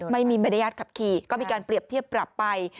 ไม่มีบรรยาทขับขี่ก็มีการเปรียบเทียบปรับไป